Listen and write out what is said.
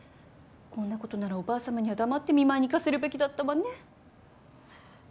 こんなことならおばあさまには黙って見舞いに行かせるべきだったわね。